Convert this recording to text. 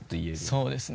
そうですね。